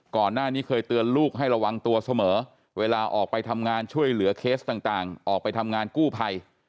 ก่อนหน้านี้เคยเตือนลูกให้ระวังตัวเสมอเวลาออกไปทำงานช่วยเหลือเคสต่างออกไปทำงานกู้ภัย